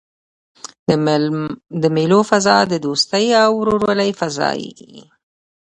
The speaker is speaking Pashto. د مېلو فضا د دوستۍ او ورورولۍ فضا يي.